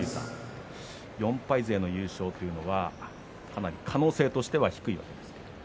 ４敗勢の優勝というのは、かなり可能性としては低いわけですね。